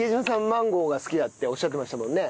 マンゴーが好きだっておっしゃってましたもんね。